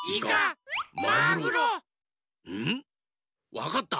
わかった。